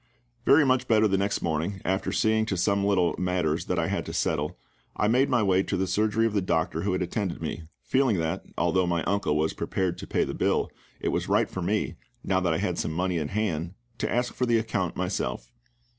Very much better the next morning, after seeing to some little matters that I had to settle, I made my way to the surgery of the doctor who had attended me, feeling that, although my uncle was prepared to pay the bill, it was right for me, now that I had some money in hand, to ask for the account myself.